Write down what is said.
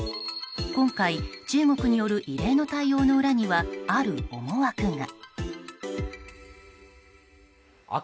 今回、中国による異例の対応の裏にはある思惑が。